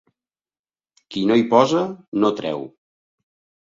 Qui no hi posa, no treu.